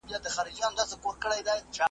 هغه مټي چي حساب یې وي پر کړی ,